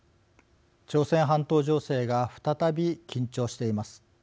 朝鮮半島情勢が再び緊張しています。